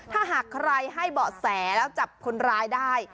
ถ้าใครให้เผาแสแล้วจับคนรายได้